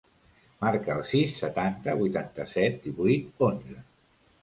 Marca el sis, setanta, vuitanta-set, divuit, onze.